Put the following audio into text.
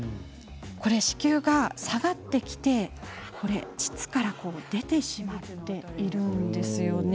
子宮が下がってきて膣から出てしまっているんです。